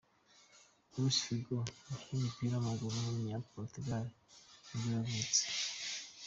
Luís Figo, umukinnyi w’umupira w’amaguru w’umunyaportigal nibwo yavutse.